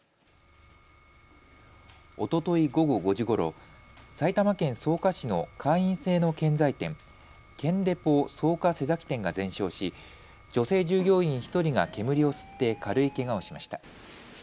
おととい午後５時ごろ埼玉県草加市の会員制の建材店、建デポ草加瀬崎店が全焼し女性従業員１人が煙を吸って軽いけがをしました。